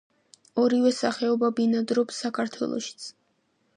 ორივე სახეობა ბინადრობს საქართველოშიც.